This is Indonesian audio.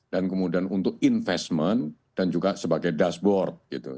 dan kemudian untuk investment dan juga sebagai dashboard gitu